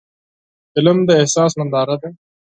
فلم د احساس ننداره ده